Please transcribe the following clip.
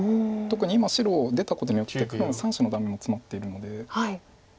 特に今白出たことによって黒の３子のダメもツマっているのでどう打ちますかね。